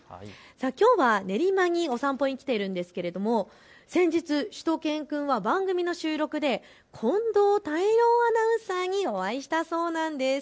きょうは練馬にお散歩に来ているんですけれども先日、しゅと犬くんは番組の収録で近藤泰郎アナウンサーにお会いしたそうなんです。